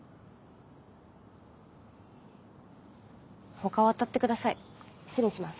他を当たってください失礼します。